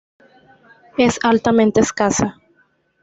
Es altamente escasa.